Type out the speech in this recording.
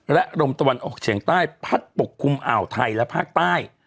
และลมตะวันออกเฉียงใต้พัดปกคลุมอ่าวไทยและภาคใต้